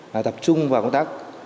là tập trung vào công tác